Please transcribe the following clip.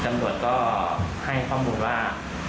ตำรวจก็ให้ข้อมูลว่า